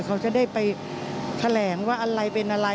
เขาจะได้ไปแถลงว่าอะไรเป็นอะไร